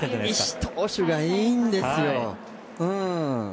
西投手がいいんですよ。